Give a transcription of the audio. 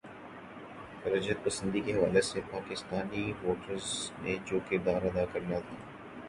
رجعت پسندی کے حوالے سے پاکستانی ووٹرز نے جو کردار ادا کرنا تھا۔